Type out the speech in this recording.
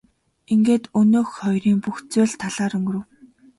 Ингээд өнөөх хоёрын бүх зүйл талаар өнгөрөв.